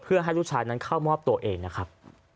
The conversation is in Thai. เพื่อให้ลูกชายนั้นเข้ามอบตัวเองนะครับ